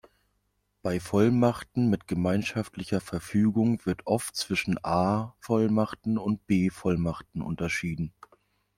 Bei Vollmachten mit gemeinschaftlicher Verfügung wird oft zwischen „A-Vollmachten“ und „B-Vollmachten“ unterschieden.